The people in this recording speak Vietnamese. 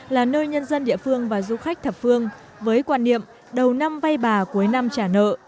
là nơi nhân dân địa phương và du khách thập phương với quan niệm đầu năm vay bà cuối năm trả nợ